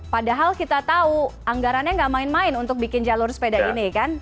padahal kita tahu anggarannya nggak main main untuk bikin jalur sepeda ini kan